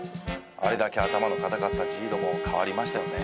あれだけ頭の固かったＪＩＤＯも変わりましたよね。